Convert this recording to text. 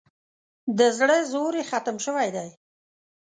د زړه زور یې ختم شوی دی.